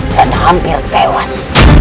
dan hampir tewas